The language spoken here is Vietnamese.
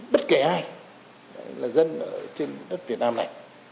bất kể ai là dân ở trên đất việt nam này